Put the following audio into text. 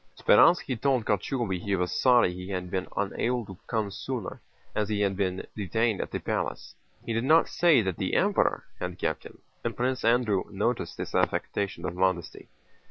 Speránski told Kochubéy he was sorry he had been unable to come sooner as he had been detained at the palace. He did not say that the Emperor had kept him, and Prince Andrew noticed this affectation of modesty.